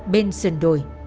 bên sườn đồi